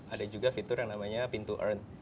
ada juga fitur yang namanya pintu earn